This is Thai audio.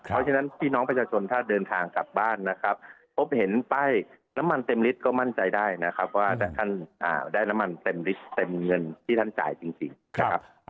เพราะฉะนั้นพี่น้องประชาชนถ้าเดินทางกลับบ้านนะครับพบเห็นป้ายน้ำมันเต็มลิตรก็มั่นใจได้นะครับว่าท่านได้น้ำมันเต็มลิตรเต็มเงินที่ท่านจ่ายจริงนะครับ